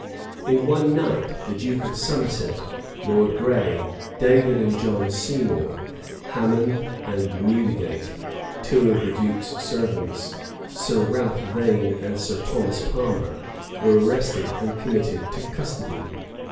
In one night, the duke of Somerset, Lord Grey, David and John Seymour, Hammond, and Neudigate, two of the duke's servants, Sir Ralph Vane, and Sir Thomas Palmer, were arrested and committed to custody.